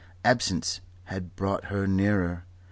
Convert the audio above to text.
Absence had but brought her nearer.